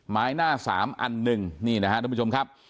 ไม้หน้าสามอันหนึ่งนี่นะครับท่านผู้ชมครับ